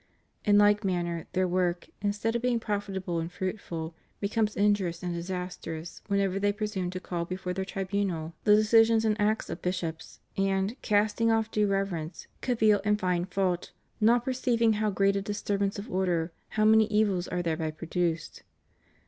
In like manner their work, instead of being profitable and fruitful, becomes injurious and disastrous whenever they presume to call before their tribunal the decisions and acts of bishops, and, casting off due reverence, cavil and find fault; not perceiving how great a disturbance of order, how many evils are thereby produced.